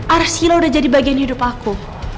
arshilo udah jadi bagian hidup aku